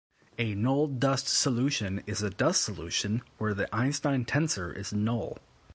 A null dust solution is a dust solution where the Einstein tensor is null.